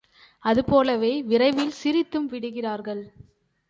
அதுபோலவே விரைவில் சிரித்தும் விடுகிறார்கள்.